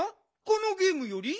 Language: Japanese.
このゲームより？